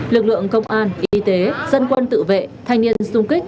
lực lượng công an y tế dân quân tự vệ thanh niên sung kích